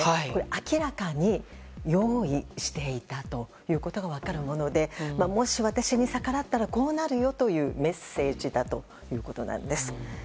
明らかに用意していたということが分かるものでもし私に逆らったらこうなるよというメッセージだということです。